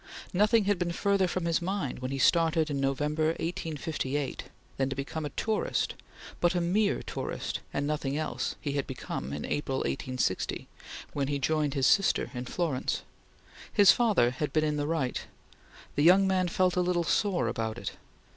Nothing had been further from his mind when he started in November, 1858, than to become a tourist, but a mere tourist, and nothing else, he had become in April, 1860, when he joined his sister in Florence. His father had been in the right. The young man felt a little sore about it.